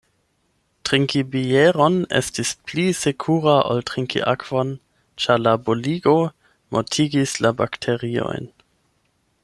Trinki bieron estis pli sekure ol trinki akvon, ĉar la boligo mortigis la bakteriojn.